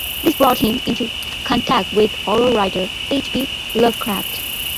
This brought him into contact with horror writer H. P. Lovecraft.